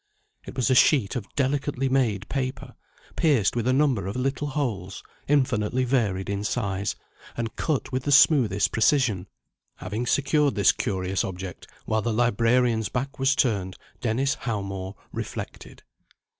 It was a sheet of delicately made paper, pierced with a number of little holes, infinitely varied in size, and cut with the smoothest precision. Having secured this curious object, while the librarian's back was turned, Dennis Howmore reflected.